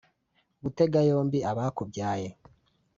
gutega yombi abakubyaye